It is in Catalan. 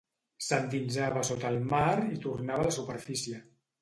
S'endinsava sota el mar i tornava a la superfície?